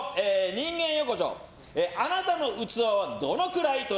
人間横丁あなたの器はどのくらい？